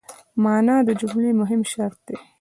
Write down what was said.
مانا د جملې مهم شرط دئ.